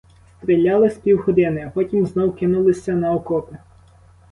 Стріляли з півгодини, а потім знов кинулися на окопи.